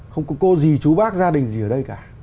không có cô gì chú bác gia đình gì ở đây cả